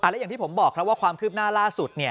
และอย่างที่ผมบอกครับว่าความคืบหน้าล่าสุด